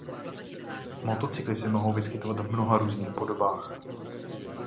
Motocykly se mohou vyskytovat v mnoha různých podobách.